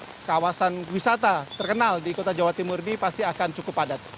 jadi kawasan wisata terkenal di kota jawa timur ini pasti akan cukup padat